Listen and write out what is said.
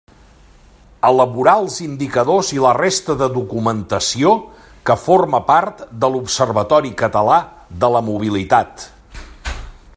Elaborar els indicadors i la resta de documentació que forma part de l'Observatori Català de la Mobilitat.